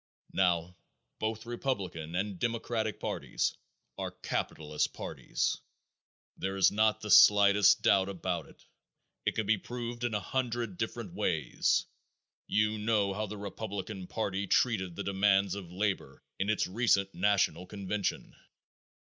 Now, both republican and democratic parties are capitalist parties. There is not the slightest doubt about it. It can be proved in a hundred different ways. You know how the republican party treated the demands of labor in its recent national convention.